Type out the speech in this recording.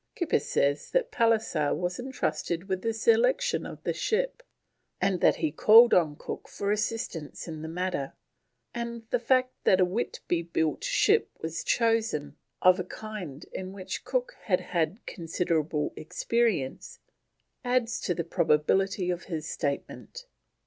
Kippis says that Pallisser was entrusted with the selection of the ship, and that he called on Cook for assistance in the matter, and the fact that a Whitby built ship was chosen, of a kind in which Cook had had considerable experience, adds to the probability of his statement.